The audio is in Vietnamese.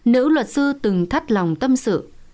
nữ luật sư từng thắt lòng tâm sự